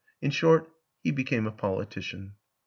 ... In short, he became a poli tician.